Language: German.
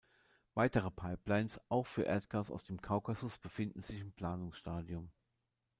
Weitere Pipelines, auch für Erdgas aus dem Kaukasus, befinden sich im Planungsstadium.